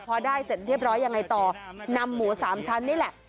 พอได้เสร็จเรียบร้อยยังไงต่อนำหมูสามชั้นนี่แหละ